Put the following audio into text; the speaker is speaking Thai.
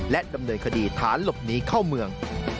ดำเนินคดีฐานหลบหนีเข้าเมือง